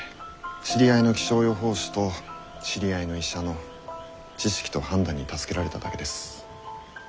知り合いの気象予報士と知り合いの医者の知識と判断に助けられただけです。